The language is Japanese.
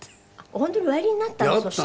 本当におやりになったのそして。